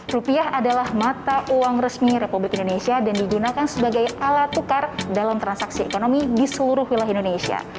rupiah adalah mata uang resmi republik indonesia dan digunakan sebagai alat tukar dalam transaksi ekonomi di seluruh wilayah indonesia